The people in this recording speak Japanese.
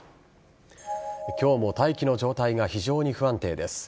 今日も大気の状態が非常に不安定です。